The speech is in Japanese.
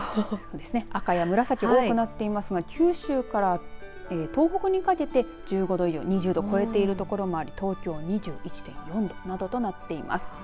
赤や紫、多くなっていますが九州から東北にかけて１５度以上２０度を超えている所もあり東京２１．４度などとなっています。